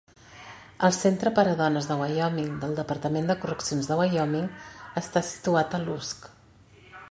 El Centre per a dones de Wyoming del Departament de correccions de Wyoming està situat a Lusk.